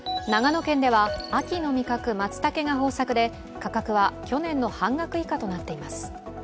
長野県では秋の味覚、まつたけが豊作で価格は去年の半額以下となっています。